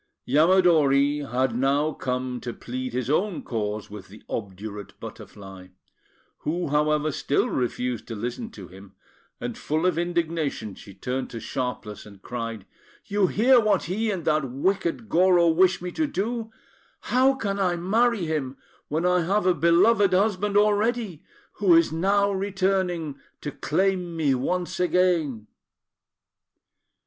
Yamadori had now come to plead his own cause with the obdurate Butterfly, who, however, still refused to listen to him; and, full of indignation, she turned to Sharpless, and cried "You hear what he and that wicked Goro wish me to do! How can I marry him, when I have a beloved husband already, who is now returning to claim me once again?"